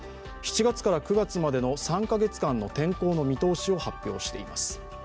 ７月から９月までの３カ月間の天候の見通しを発表しています。